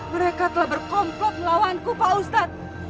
mereka telah berkomplop melawanku pak ustadz